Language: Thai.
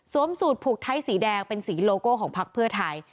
สูตรผูกไทยสีแดงเป็นสีโลโก้ของพักเพื่อไทย